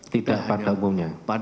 tidak pada umumnya